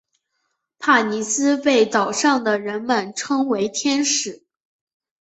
帕妮丝被岛上的人们称作天使。